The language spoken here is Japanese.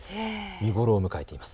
見頃を迎えています。